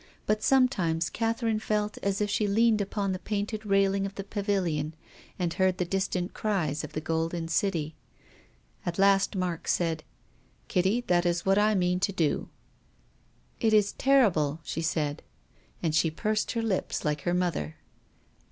But sometimes Catherine felt as if she leaned upon the painted railing of the Pavil ion, and heard the distant cries of the golden City. At last Mark said, " Kitty, that is what I mean to do." " It is terrible," she said. And she pursed her lips like her mother.